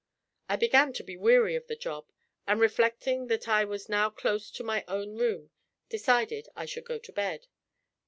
I began to be weary of the job, and reflecting that I was now close to my own room, decided I should go to bed.